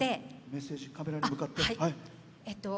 メッセージカメラに向かって。